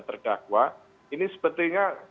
terdakwa ini sepertinya